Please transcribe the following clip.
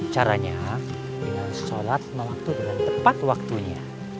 caranya dengan sholat dengan waktu dengan tepat waktunya